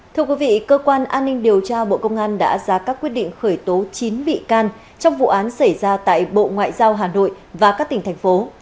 thưa quý vị cơ quan an ninh điều tra bộ công an đã ra các quyết định khởi tố chín bị can trong vụ án xảy ra tại bộ ngoại giao hà nội và các tỉnh thành phố